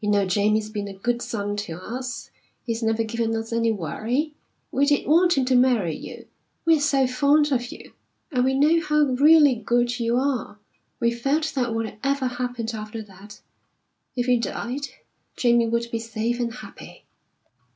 You know Jamie's been a good son to us; he's never given us any worry. We did want him to marry you. We're so fond of you, and we know how really good you are. We felt that whatever happened after that if we died Jamie would be safe and happy."